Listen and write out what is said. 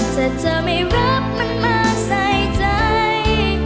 แต่เธอไม่รักมันมาใส่ใจ